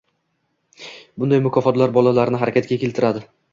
Bunday “mukofotlar” bolalarni harakatga keltiradi